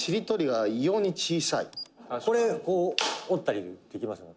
「これ、こう折ったりもできますので」